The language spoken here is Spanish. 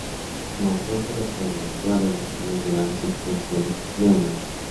Motor trasero: todas las versiones llevan suspensión neumática.